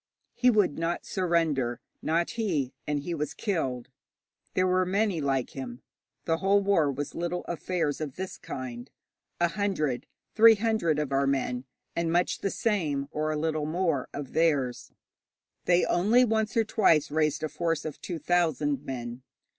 He would not surrender not he and he was killed. There were many like him. The whole war was little affairs of this kind a hundred, three hundred, of our men, and much the same, or a little more, of theirs. They only once or twice raised a force of two thousand men.